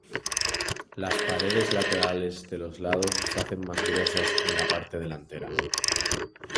Las paredes laterales de los lados se hacen más gruesas en la parte delantera.